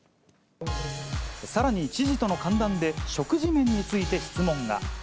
さらに、知事との歓談で食事面について質問が。